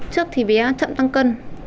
trước thì bé chậm tăng cân